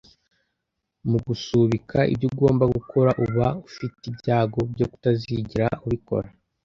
Mugusubika ibyo ugomba gukora uba ufite ibyago byo kutazigera ubikora